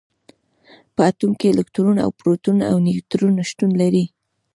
په اتوم کې الکترون او پروټون او نیوټرون شتون لري.